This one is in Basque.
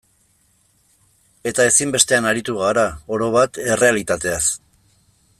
Eta ezinbestean aritu gara, orobat, errealitateaz.